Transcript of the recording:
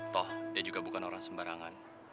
toh dia juga bukan orang sembarangan